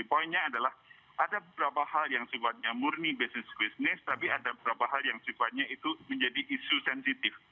poinnya adalah ada beberapa hal yang sebuahnya murni business to business tapi ada beberapa hal yang sebuahnya itu menjadi isu sensitif